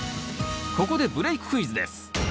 ここでブレーククイズです。